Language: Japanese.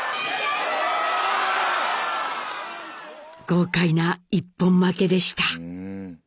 豪快な一本負けでした。